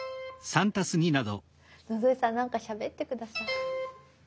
野添さんなんかしゃべって下さい。